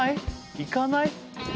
行かない？